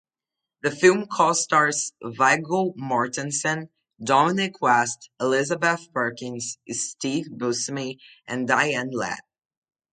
The film costars Viggo Mortensen, Dominic West, Elizabeth Perkins, Steve Buscemi, and Diane Ladd.